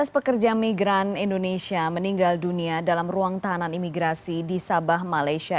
lima belas pekerja migran indonesia meninggal dunia dalam ruang tahanan imigrasi di sabah malaysia